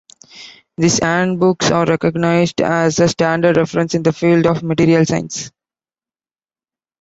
These handbooks are recognized as a standard reference in the field of materials science.